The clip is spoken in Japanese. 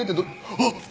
あっ！